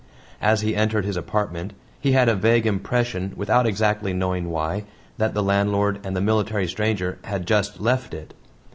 As he entered his apartment he had a vague impression, without exactly knowing why, that the landlord and the military stranger had just left it.